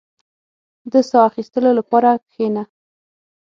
• د ساه اخيستلو لپاره کښېنه.